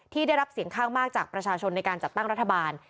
ที่ได้รับเสียงข้างมากจากประชาชนในการจัดตั้งรัฐบาล